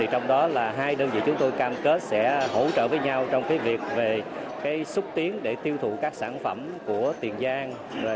trong đó là hai đơn vị chúng tôi cam kết sẽ hỗ trợ với nhau trong việc về xúc tiến để tiêu thụ các sản phẩm của tiền giang